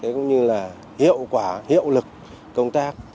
cũng như là hiệu quả hiệu lực công tác